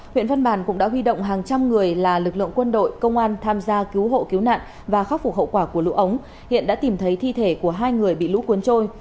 huyện văn bàn cũng đã huy động hàng trăm người là lực lượng quân đội công an tham gia cứu hộ cứu nạn và khắc phục hậu quả của lũ ống hiện đã tìm thấy thi thể của hai người bị lũ cuốn trôi